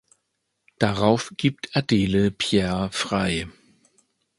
Darauf gibt Adele Pierre frei.